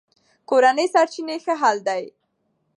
کورني سرچینې ښه حل دي.